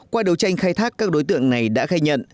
qua đấu tranh khai thác các đối tượng này đã khai nhận